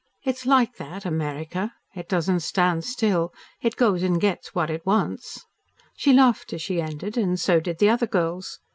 It's like that America. It doesn't stand still. It goes and gets what it wants." She laughed as she ended, and so did the other girls.